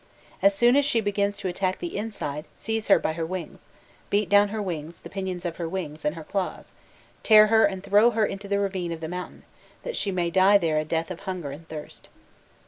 As soon as she begins to attack the inside, seize her by her wings, beat down her wings, the pinions of her wings and her claws, tear her and throw her into a ravine of the mountain, that she may die there a death of hunger and thirst."